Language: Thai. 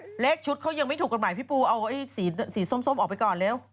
เลขชุดเขายังไม่ถูกกฎหมายพี่ปูเอาสีส้มออกไปก่อนเร็ว